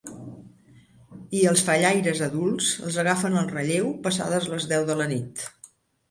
I els fallaires adults els agafen el relleu passades les deu de la nit.